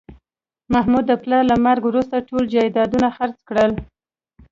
محمود د پلار له مرګه وروسته ټول جایدادونه خرڅ کړل